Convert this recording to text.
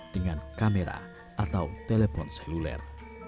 dengan kamera atau telepon seluler